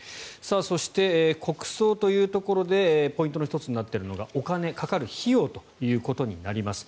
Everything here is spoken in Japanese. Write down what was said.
そして、国葬というところでポイントの１つになっているのがお金、かかる費用ということになります。